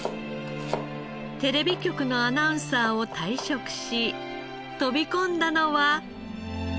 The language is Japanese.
テレビ局のアナウンサーを退職し飛び込んだのは。